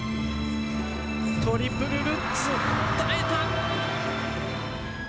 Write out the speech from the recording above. トリプルルッツ、耐えた。